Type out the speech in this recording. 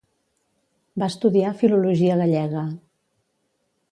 Va estudiar Filologia gallega.